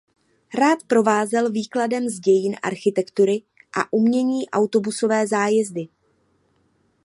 Rád provázel výkladem z dějin architektury a umění autobusové zájezdy.